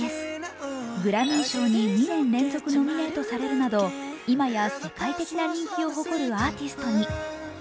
グラミー賞に２年連続ノミネートされるなど、今や世界的な人気を誇るアーティストに。